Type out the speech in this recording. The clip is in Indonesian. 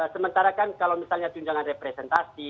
sementara kan kalau misalnya tunjangan representasi